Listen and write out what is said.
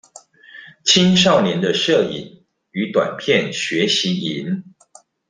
青少年的攝影與短片學習營